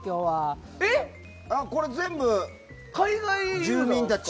これ全部、住民たち？